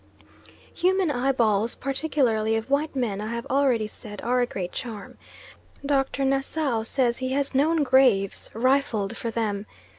Human eye balls, particularly of white men, I have already said are a great charm. Dr. Nassau says he has known graves rifled for them.